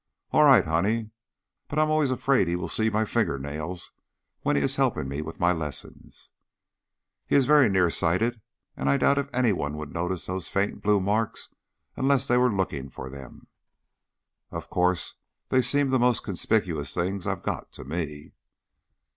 "All right, honey; but I am always afraid he will see my finger nails when he is helping me with my lessons " "He is very near sighted; and I doubt if anyone would notice those faint blue marks unless they were looking for them." "Of course they seem the most conspicuous things I've got, to me."